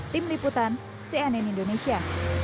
tim liputan cnn indonesia